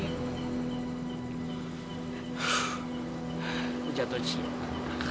aku jatuh cinta